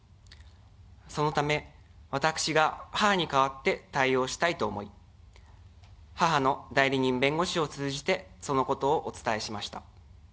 そのため、私が母に代わって対応したいと思い、母の代理人弁護士を通じて、そのことをお伝えしました。